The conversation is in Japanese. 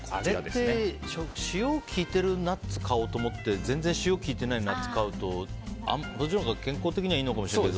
塩効いているナッツ買おうと思って全然塩が効いていないナッツを買うとそっちのほうが健康的にはいいかもしれないけど。